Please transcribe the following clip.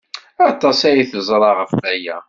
Aṭas ay teẓra ɣef waya.